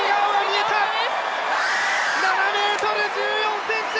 ７ｍ１４ｃｍ！